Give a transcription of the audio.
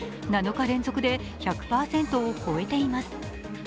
７日連続で１００％を超えています。